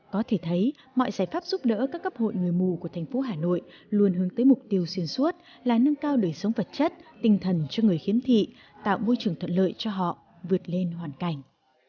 có thể thấy mọi giải pháp giúp đỡ các cấp hội người mù của thành phố hà nội luôn hướng tới mục tiêu xuyên suốt là nâng cao đời sống vật chất tinh thần cho người khiếm thị tạo môi trường thuận lợi cho họ vượt lên hoàn cảnh